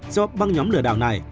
do băng nhóm lừa đảo này